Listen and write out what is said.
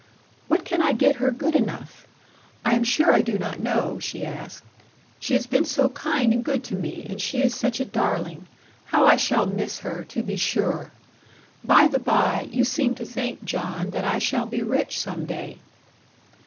'What can I get her good enough? I am sure I do not know,' she asked: 'she has been so kind and good to me, and she is such a darling. How I shall miss her, to be sure! By the bye, you seem to think, John, that I shall be rich some day.'